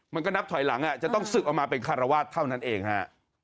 มันก็นับถอยหลังจะต้องศึกออกมาเป็นคารวาสเท่านั้นเองฮะ